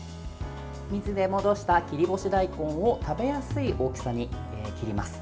水で戻した切り干し大根を食べやすい大きさに切ります。